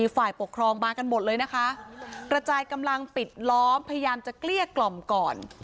ฝ่ายปกครองมากันหมดเลยนะคะกระจายกำลังปิดล้อมพยายามจะเกลี้ยกล่อมก่อน